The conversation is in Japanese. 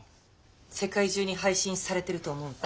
世界中に配信されてると思うと。